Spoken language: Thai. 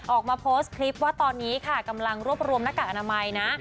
ออกมาโพสต์คลิปว่าตอนนี้ค่ะกำลังรวบรวมหน้ากากอนามัยนะ